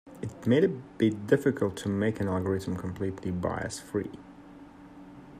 It may be difficult to make an algorithm completely bias-free.